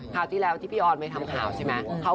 ที่แล้วที่พี่ออนไปทำข่าวใช่ไหม